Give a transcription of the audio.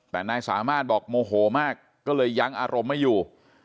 แต่นายสามารถบอกโมโหมากก็เลยยั้งอารมณ์ไม่อยู่